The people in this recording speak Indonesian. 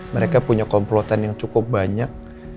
mereka punya komplotan yang cukup banyak